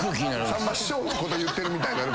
さんま師匠のこと言ってるみたいになる。